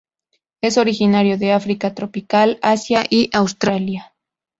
Es originario de África tropical Asia y Australia.